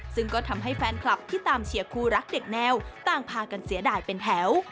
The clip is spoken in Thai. ซึ่งก็ทำให้แฟนคลับที่ตามเชียร์คู่รักเด็กแนวต่างพากันเสียดายเป็นแถว